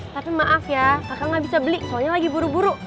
tapi maaf ya kakak gak bisa beli soalnya lagi buru buru